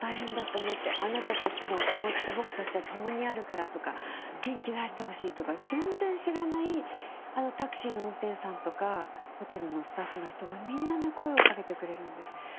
「あなたたちの気持ちと僕たちは共にあるから」とか「元気出してほしい」とか全然知らないタクシーの運転手さんとかホテルのスタッフの人がみんなね声をかけてくれるんです。